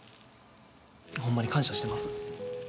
ホンマに感謝しています。